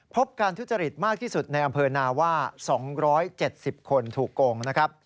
พบการทุจริตมากที่สุดในอำเภอนาว่า๒๗๐คนถูกโกงนะครับ